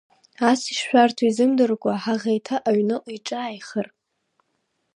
Ас ишшәарҭоу изымдыркәа, ҳаӷеиҭа, аҩныҟа иҿааихар…